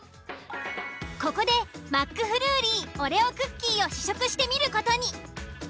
ここでマックフルーリーオレオクッキーを試食してみる事に。